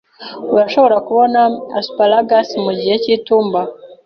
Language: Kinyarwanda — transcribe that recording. Urashobora kubona asparagus mu gihe cy'itumba.